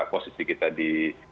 posisi kita di